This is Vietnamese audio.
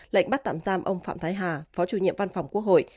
lệnh bắt tạm giam ông phạm thái hà phó chủ nhiệm văn phòng quốc hội